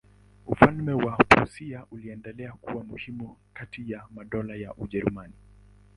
Ufalme wa Prussia uliendelea kuwa muhimu kati ya madola ya Ujerumani.